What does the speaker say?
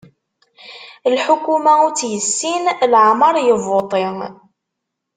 Lḥukuma ur tt-yessin, laɛmer yebbuṭi.